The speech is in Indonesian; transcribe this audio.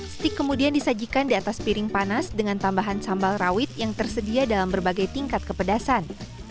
stik kemudian disajikan di atas piring panas dengan tambahan sambal rawit yang tersedia dalam berbagai tingkat kepedasan